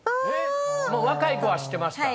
若い子は知ってました。